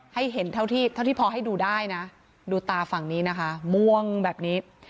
ให้เห็นเท่าที่พอให้ดูได้นะดูตาฝั่งนี้นะคะม่วงแบบนี้